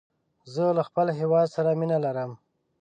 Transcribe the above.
زه له خپل هېواد سره مینه لرم.